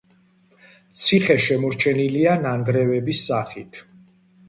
ციხე შემორჩენილია ნანგრევების სახით.